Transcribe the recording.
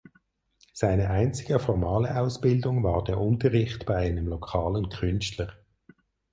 Seine einzige formale Ausbildung war der Unterricht bei einem lokalen Künstler.